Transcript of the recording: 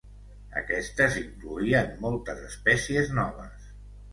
Aquests incloïen moltes espècies noves.